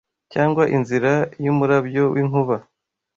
Cyangwa inzira y’umurabyo w’inkuba